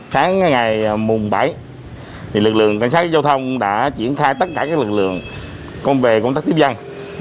sáng ngày mùng bảy lực lượng cảnh sát giao thông đã triển khai tất cả lực lượng công về công tác tiếp dân